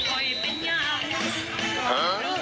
โอ้โฮ